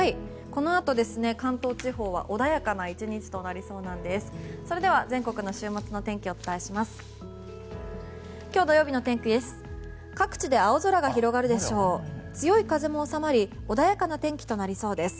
このあと関東地方は穏やかな１日となりそうです。